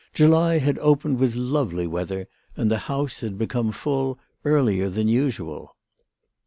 July had opened with lovely weather, and the house had become full earlier than usual.